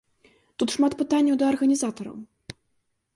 Тут шмат пытанняў да арганізатараў.